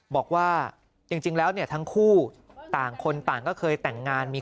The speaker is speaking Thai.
บอกว่าจริงแล้วเนี่ยทั้งคู่ต่างคนต่างก็เคยแต่งงานมี